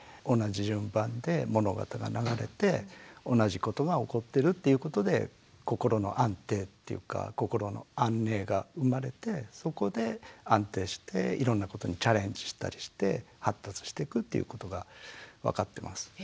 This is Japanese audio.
同じ順番で物事が流れて同じことが起こってるっていうことで心の安定というか心の安寧が生まれてそこで安定していろんなことにチャレンジしたりして発達してくっていうことが分かってます。